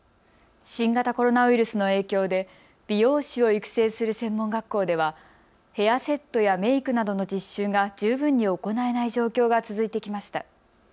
新型コロナウイルスの影響で美容師を育成する専門学校ではヘアセットやメークなどの実習が十分に行えない状況が続いてきました。